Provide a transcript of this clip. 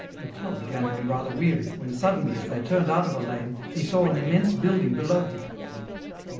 Durtal began to be rather weary, when suddenly as they turned out of a lane, he saw an immense building below him.